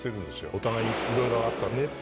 お互いにいろいろあったねって。